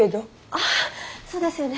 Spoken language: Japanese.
あっそうですよね。